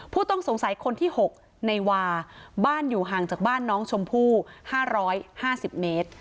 ผู้ต้องสงสัยคนที่๖ในวาบ้านอยู่ห่างจากบ้านน้องชมพู่๕๕๐เมตร